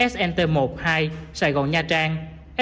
snt một hai sài gòn nha trang